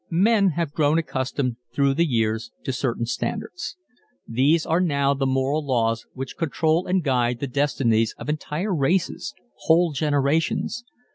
_ Men have grown accustomed through the years to certain standards. These are now the moral laws which control and guide the destinies of entire races, whole generations.